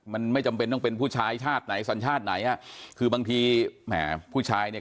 มันไม่จำเป็นต้องเป็นผู้ชายชาติไหนสัญชาติไหนอ่ะคือบางทีแหมผู้ชายเนี่ย